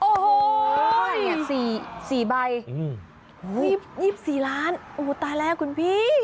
อ๋อโฮฮะ๒๔ล้านตายแล้วคุณพี่